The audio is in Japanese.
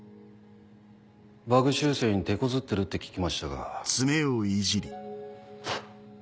バグ修正にてこずってるって聞きましたが。